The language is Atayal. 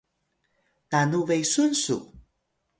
nanu besun su?